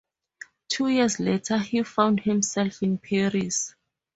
Two years later he found himself in Paris.